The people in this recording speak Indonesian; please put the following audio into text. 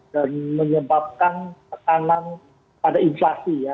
dan menyebabkan pertanganan pada inflasi ya